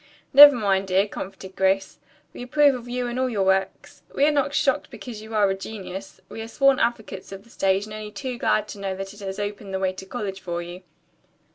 "Never mind, dear," comforted Grace. "We approve of you and all your works. We are not shocked because you are a genius. We are sworn advocates of the stage and only too glad to know that it has opened the way to college for you."